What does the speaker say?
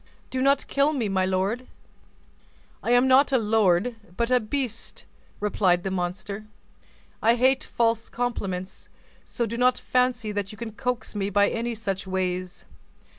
Do not kill me, my lord!" "I am not a lord, but a beast," replied. the monster, "I hate false compliments: so do not fancy that you can coax me by any such ways.